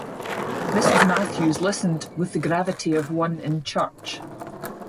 Mrs. Matthews listened with the gravity of one in church.